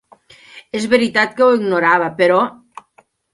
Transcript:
És veritat que ho ignorava, però...